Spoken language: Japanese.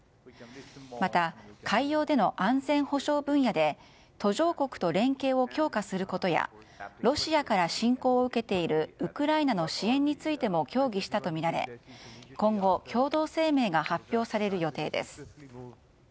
また、海洋での安全保障分野で途上国と連携を強化することやロシアから侵攻を受けているウクライナの支援についても協議したとみられ今後、共同声明が発表される予定です。